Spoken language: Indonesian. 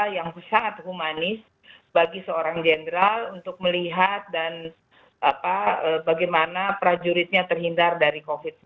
yang sangat humanis bagi seorang jenderal untuk melihat dan bagaimana prajuritnya terhindar dari covid sembilan belas